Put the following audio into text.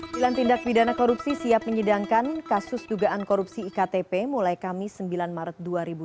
tindak tindak pidana korupsi siap menyedangkan kasus dugaan korupsi iktp mulai kamis sembilan maret dua ribu tujuh belas